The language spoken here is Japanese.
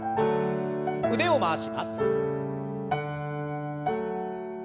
腕を回します。